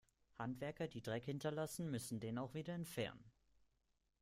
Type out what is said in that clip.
Handwerker, die Dreck hinterlassen, müssen den auch wieder entfernen.